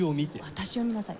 「私を見なさい」。